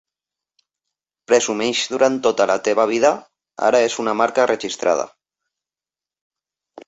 "Presumeix durant tota la teva vida" ara és una marca registrada.